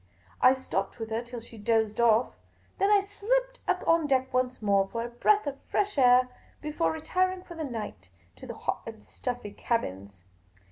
I stopped with her till she dozed off ; then I slipped up on deck once more for a breath of fresh air, before retiring for the night to the hot and stuffy cabins.